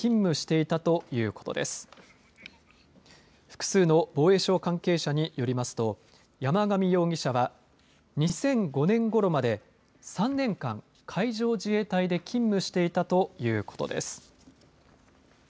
複数の防衛省関係者によりますと山上容疑者は２００５年ごろまで３年間、海上自衛隊で勤務していたということです。